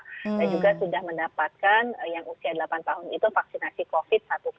dan juga sudah mendapatkan yang usia delapan tahun itu vaksinasi covid sembilan belas